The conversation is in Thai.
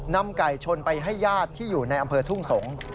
นำไก่ชนไปให้ญาติที่อยู่ในอำเภอทุ่งสงศ์